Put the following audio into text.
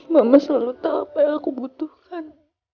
mama selalu tahu apa yang aku butuhkan